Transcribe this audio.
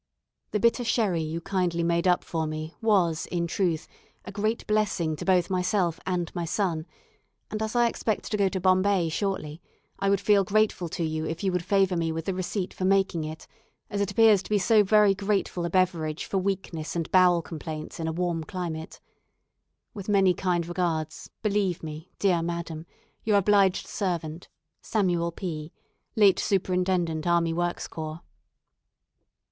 "The bitter sherry you kindly made up for me was in truth a great blessing to both myself and my son, and as I expect to go to Bombay shortly, I would feel grateful to you if you would favour me with the receipt for making it, as it appears to be so very grateful a beverage for weakness and bowel complaints in a warm climate. With many kind regards, believe me, dear madam, your obliged servant, "Samuel P , "Late Superintendent Army Works Corps."